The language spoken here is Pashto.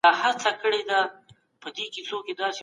صداقت په علمي کارونو کې مهم دی.